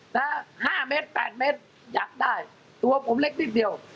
ห้าเมตรแปดเมตรอยากได้ตัวผมเล็กนิดเดียว